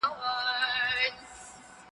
زه مخکي اوبه پاکې کړې وې.